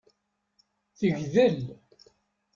Tegdel.